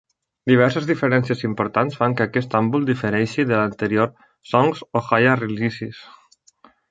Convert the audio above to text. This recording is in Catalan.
Diverses diferències importants fan que aquest àlbum difereixi de l'anterior, "Songs: Ohia releases".